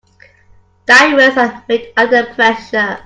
Diamonds are made under pressure.